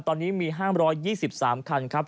ตอนนี้มี๕๒๓คันครับ